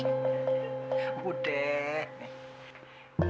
ini buat kesehatan lo